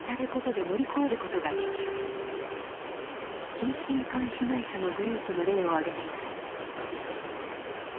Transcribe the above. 近親姦被害者のグループの例を挙げています。